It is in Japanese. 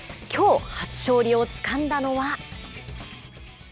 きょう初勝利をつかんだのは？